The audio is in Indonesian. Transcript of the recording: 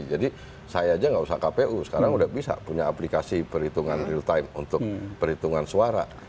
jadi saya aja nggak usah kpu sekarang udah bisa punya aplikasi perhitungan real time untuk perhitungan suara